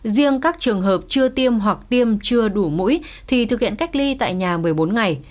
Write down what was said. riêng các trường hợp chưa tiêm hoặc tiêm chưa đủ mũi thì thực hiện cách ly tại nhà một mươi bốn ngày